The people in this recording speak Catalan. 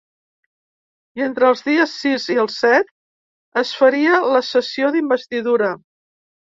I entre els dies sis i el set es faria la sessió d’investidura.